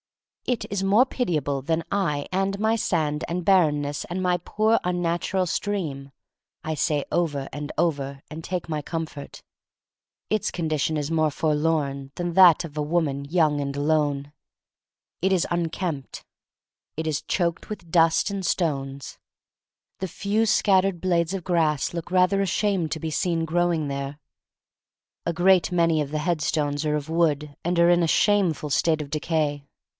"It is more pitiable than I and my sand and barrenness and my poor un natural stream," I say over and over, and take my comfort. Its condition is more forlorn than that of a woman young and alone. It is un r 20 THE STORY OF MARY MAC LANE kempt. It is choked with dust and stones. The few scattered blades of grass look rather ashamed to be seen growing there. A great many of the headstones are of wood and are in a shameful state of decay.